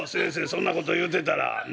そんなこと言うてたらねっ。